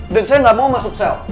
dan saya gak mau masuk sel